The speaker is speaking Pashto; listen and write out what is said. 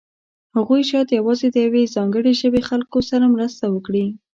هغوی شاید یوازې د یوې ځانګړې ژبې خلکو سره مرسته وکړي.